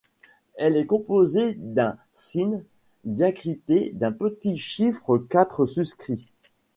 Elle est composée d’un sīn diacrité d’un petit chiffre quatre suscrit.